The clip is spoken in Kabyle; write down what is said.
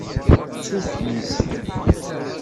D tukyist.